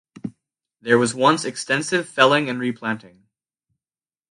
There was once extensive felling and replanting.